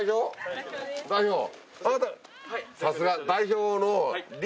さすが。